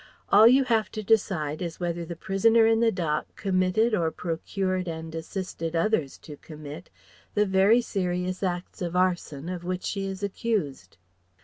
All you have to decide is whether the prisoner in the dock committed or procured and assisted others to commit the very serious acts of arson of which she is accused..."